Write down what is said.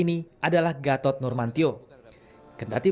semua orang diiling datuk kutanyaiscoverang solutions